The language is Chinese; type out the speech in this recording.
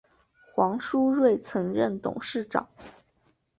黄书锐曾任董事长。